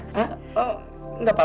apa yang kamu tumbang keizensi